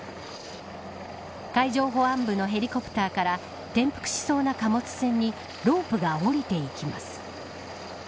海上保安部のヘリコプターから転覆しそうな貨物船にロープがおりていきます。